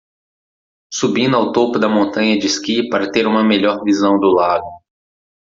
Subindo ao topo da montanha de esqui para ter uma melhor visão do lago